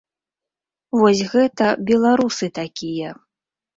Вось гэта беларусы такія.